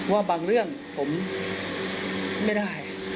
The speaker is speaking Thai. ว่าบางเรื่องผมไม่ได้